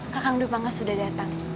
kakang dupang sudah datang